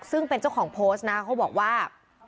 ซึ่งเป็นเจ้าของโพสต์นะเขาบอกว่า